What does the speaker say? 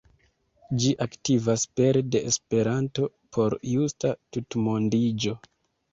Ĝi aktivas pere de Esperanto por justa tutmondiĝo.